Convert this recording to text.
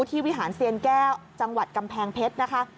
วิหารเซียนแก้วจังหวัดกำแพงเพชรนะคะ